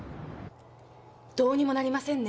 どうにもなりませんね。